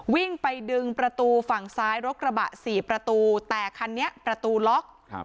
วิ่งไปดึงประตูฝั่งซ้ายรถกระบะ๔ประตูแต่คันนี้ประตูล็อก